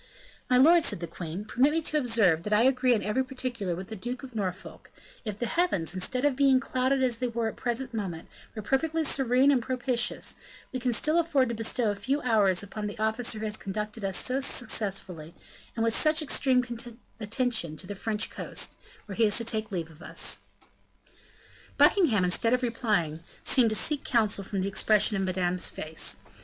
"My lord," said the queen, "permit me to observe that I agree in every particular with the Duke of Norfolk; if the heavens, instead of being clouded as they are at the present moment, were perfectly serene and propitious, we can still afford to bestow a few hours upon the officer who has conducted us so successfully, and with such extreme attention, to the French coast, where he is to take leave of us." Buckingham, instead of replying, seemed to seek counsel from the expression of Madame's face.